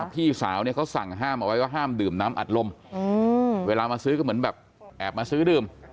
พี่สาวเนี่ยเขาสั่งห้ามเอาไว้ว่าห้ามดื่มน้ำอัดลมเวลามาซื้อก็เหมือนแบบแอบมาซื้อดื่ม